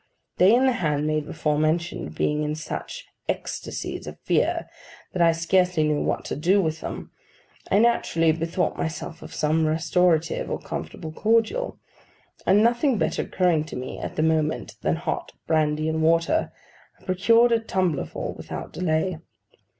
They and the handmaid before mentioned, being in such ecstasies of fear that I scarcely knew what to do with them, I naturally bethought myself of some restorative or comfortable cordial; and nothing better occurring to me, at the moment, than hot brandy and water, I procured a tumbler full without delay.